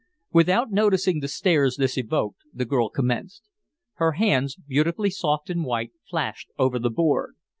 Without noticing the stares this evoked, the girl commenced. Her hands, beautifully soft and white, flashed over the board.